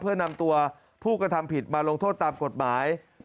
เพื่อนำตัวผู้กระทำผิดมาลงโทษตามกฎหมาย